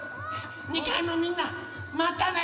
２かいのみんなまたね！